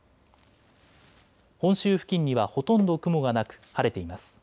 本州付近にはほとんど雲がなく晴れています。